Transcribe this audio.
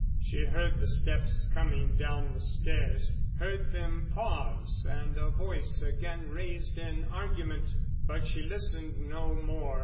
She heard the steps coming down the stairs, heard them pause and a voice again raised in argument. But she listened no more.